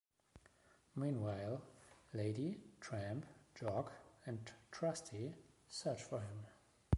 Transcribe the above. Meanwhile, Lady, Tramp, Jock and Trusty, search for him.